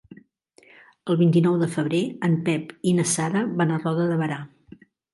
El vint-i-nou de febrer en Pep i na Sara van a Roda de Berà.